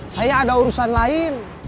saya ada urusan lain